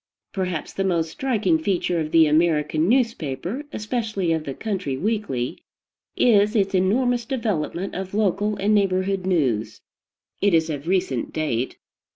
Perhaps the most striking feature of the American newspaper, especially of the country weekly, is its enormous development of local and neighborhood news. It is of recent date.